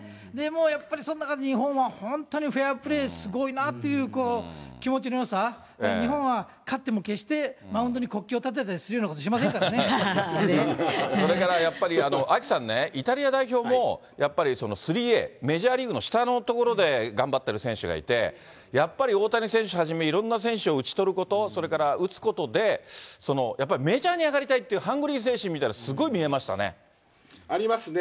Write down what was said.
やっぱりその中で日本は本当にフェアプレー、すごいなっていう気持ちのよさ、日本は勝っても決してマウンドに国旗を立てたりするようなことしそれからやっぱり、アキさんね、イタリア代表も、やっぱりスリーＡ、メジャーリーグの下のところで頑張ってる選手がいて、やっぱり大谷選手はじめ、いろんな選手を打ち取ること、それから打つことで、やっぱりメジャーに上がりたいっていうハングリー精神みたいなもありますね。